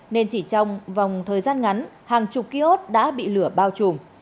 nên chỉ trong vòng thời gian ngắn hàng chục ký ốt đã bị lửa bao trùm